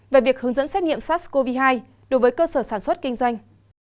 về việc hướng dẫn xét nghiệm sars cov hai đối với cơ sở sản xuất kinh doanh